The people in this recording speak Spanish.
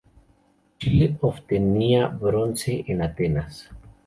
Chile obtenía bronce en Atenas.